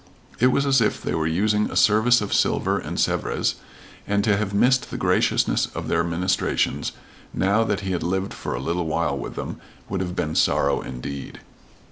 It was as if they were using a service of silver and Sevres, and to have missed the graciousness of their ministrations, now that he had lived for a little while with them, would have been sorrow indeed.